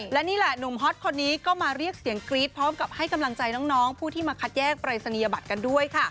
และนี่แหละหนุ่มฮอตคนนี้ก็มาเรียกเสียงกรี๊ดพร้อมกับให้กำลังใจน้องผู้ที่มาคัดแยกปรายศนียบัตรกันด้วยค่ะ